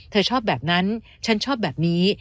เธอชอบแบบนั้นฉันชอบแบบนี้